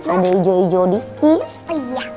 ada hijau hijau dikit